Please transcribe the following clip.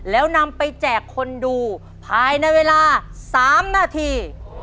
แล้วนำไปแจกคนดูภายในเวลา๓นาที